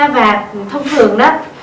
và thông thường đó